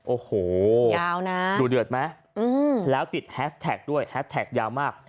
โอ้โหยาวนะดูเดือดไหมแล้วติดแฮสแท็กด้วยแฮสแท็กยาวมาก